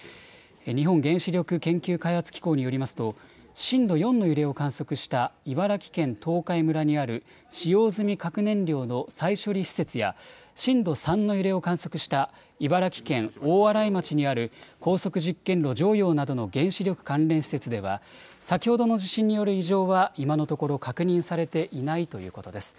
日本原子力研究開発機構によりますと震度４の揺れを観測した茨城県東海村にある使用済み核燃料の再処理施設や震度３の揺れを観測した茨城県大洗町にある高速実験炉常陽などの原子力関連施設では先ほどの地震による異常は今のところ確認されていないということです。